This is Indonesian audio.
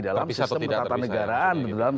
dalam sistem ketatanegaraan dalam